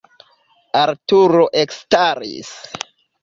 Arturo ekstaris.